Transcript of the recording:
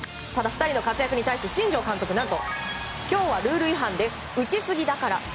ただ２人の活躍に対して新庄監督何と今日はルール違反です打ちすぎだから。